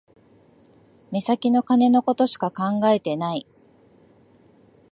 目先の金のことしか考えてない